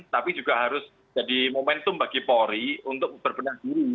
tapi juga harus jadi momentum bagi polri untuk berbenah diri